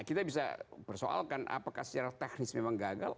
kita bisa persoalkan apakah secara teknis memang gagal